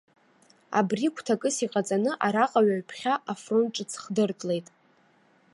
Абри гәҭакыс иҟаҵаны араҟа ҩаԥхьа афронт ҿыц хдыртлеит.